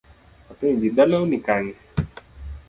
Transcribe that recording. Apenji, dalau ni kanye?